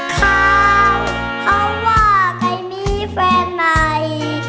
ข้าวเพราะว่าใกล้มีแฟนใด